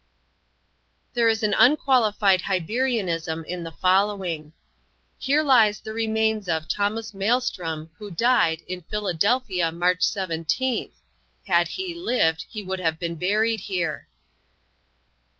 There is an unqualified Hibernianism in the following: "Here lies the remains of Thomas Melstrom who died in Philadelphia March 17th Had he lived he would have been buried here."